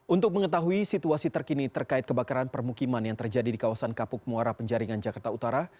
untuk mengetahui situasi terkini terkait kebakaran permukiman yang terjadi di kawasan kapuk muara penjaringan jakarta utara